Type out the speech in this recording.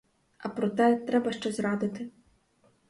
А проте — треба щось радити!